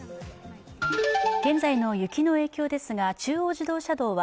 現在の雪の影響ですが中央自動車道は